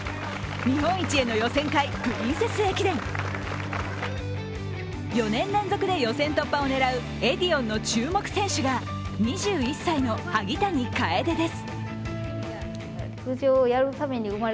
日本一への予選会、プリンセス駅伝４年連続で予選突破を狙うエディオンの注目選手が２１歳の萩谷楓です。